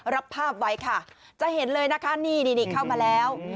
รับภาพไว้ค่ะจะเห็นเลยนะคะนี่เข้ามาแล้ว